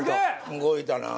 動いたな。